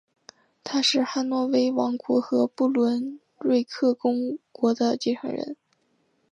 他是汉诺威王国和不伦瑞克公国的继承人。